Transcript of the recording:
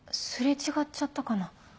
擦れ違っちゃったかな？